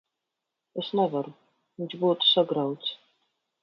Es nevaru. Viņš būtu sagrauts.